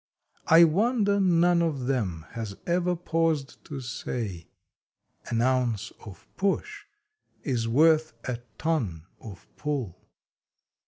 I wonder none of them has ever paused to say: An Ounce of Push is worth a Ton of Pull